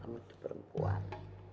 abah tuh perempuan